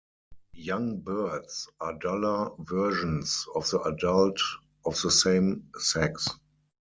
Young birds are duller versions of the adult of the same sex.